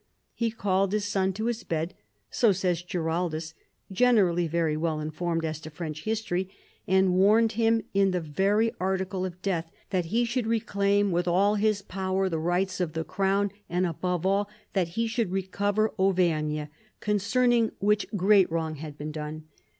He called his son to his bed — so says Giraldus, generally very well informed as to French history — and warned him in the very article of death that he should reclaim with all his power the rights of the crown, and, above all, that he should recover Auvergne, concerning which great wrong had been done.